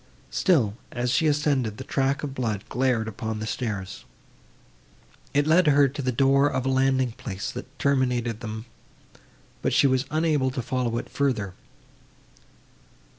Still, as she ascended, the track of blood glared upon the stairs. It led her to the door of a landing place, that terminated them, but she was unable to follow it farther.